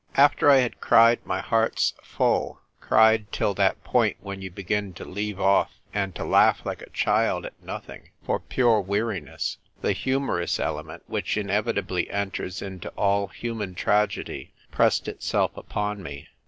After I had cried my heart's full — cried till that point when you begin to leave off and to laugh like a child at nothing, for pure weari ness — the humorous element, which inevitably enters into all human tragedy, pressed itscU upon me.